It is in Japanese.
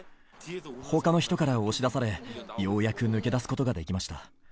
ほかの人から押し出され、ようやく抜け出すことができました。